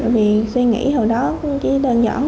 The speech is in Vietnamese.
vì suy nghĩ hồi đó cũng chỉ đơn giản